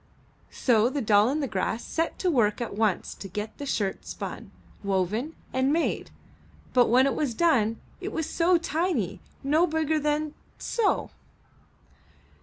So the Doll i' the Grass set to work at once to get the shirt spun, woven, and made, but when it was done, it was so tiny, no bigger than — so.